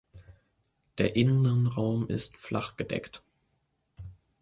Der Innenraum ist flachgedeckt.